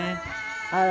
あら！